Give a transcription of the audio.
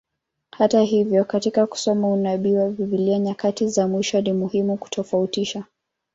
Hata hivyo, katika kusoma unabii wa Biblia nyakati za mwisho, ni muhimu kutofautisha.